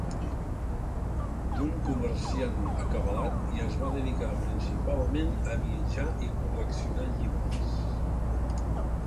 d'un comerciant acabalat i es va dedicar principalment a viatjar i col·leccionar llibres.